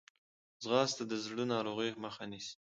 ځغاسته د زړه ناروغۍ مخه نیسي